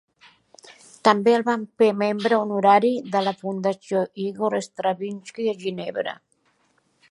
També el van fer membre honorari de la fundació Igor Stravinsky a Ginebra.